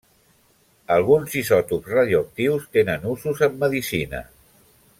Alguns isòtops radioactius tenen usos en medicina.